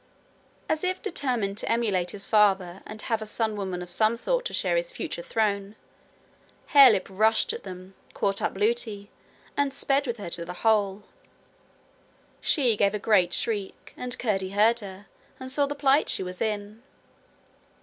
As if determined to emulate his father and have a sun woman of some sort to share his future throne, Harelip rushed at them, caught up Lootie, and sped with her to the hole. She gave a great shriek, and Curdie heard her, and saw the plight she was in.